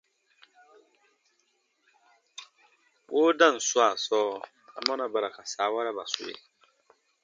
Woodan swaa sɔɔ, amɔna ba ra ka saawaraba sue?